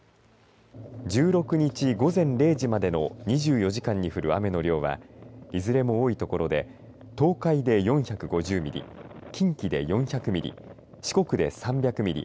１６日、午前０時までの２４時間に降る雨の量はいずれも多いところで東海で４５０ミリ近畿で４００ミリ四国で３００ミリ